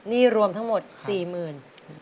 รวมทั้งหมด๔๐๐๐บาท